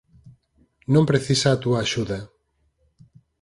Non precisa a túa axuda.